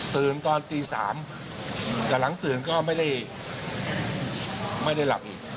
ตื่นตอนตีสามแต่หลังตื่นก็ไม่ได้ไม่ได้หลับอีก